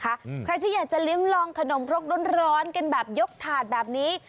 ใครที่อยากจะลิ้มลองขนมครกร้อนกันแบบยกถาดแบบนี้